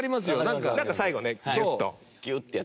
なんか最後ねギュッと。